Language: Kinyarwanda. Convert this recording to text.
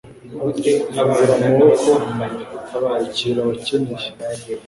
fungura amaboko wakira abakeneye